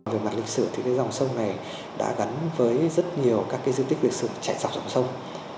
về mạng lịch sử thì dòng sông này đã gắn với rất nhiều các dư tích lịch sử chạy dọc dòng sông